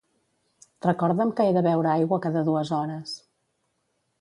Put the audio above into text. Recorda'm que he de beure aigua cada dues hores.